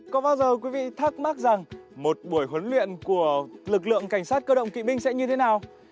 còn bao giờ quý vị thắc mắc rằng một buổi huấn luyện của lực lượng cảnh sát cơ động kỵ binh sẽ như thế nào